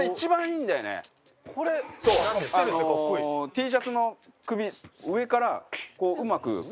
Ｔシャツの首上からうまく入れられる。